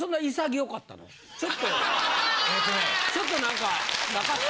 ちょっとちょっと何かなかった？